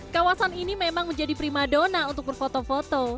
kawasan ini memang menjadi prima dona untuk berfoto foto